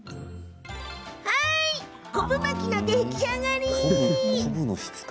昆布巻きの出来上がり！